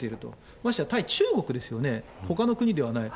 ましてや、対中国ですよね、ほかの国ではない。